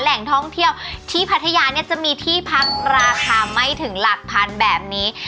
แหล่งท่องเที่ยวที่พัทยาเนี่ยจะมีที่พักราคาไม่ถึงหลักพันแบบนี้